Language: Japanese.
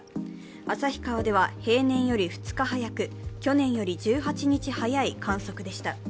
旭川では平年より２日早く、去年より１８日早い観測でした。